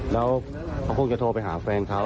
แล้วเขาคงจะโทรไปหาแฟนเขา